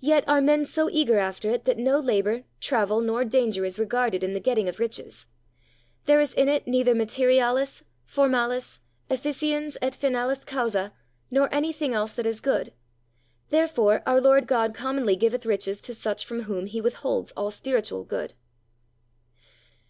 Yet are men so eager after it that no labour, travel, nor danger is regarded in the getting of riches; there is in it neither Materialis, formalis, efficiens et finalis causa, nor anything else that is good; therefore our Lord God commonly giveth riches to such from whom he withholds all Spiritual good.